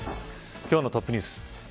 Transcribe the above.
今日のトップニュース。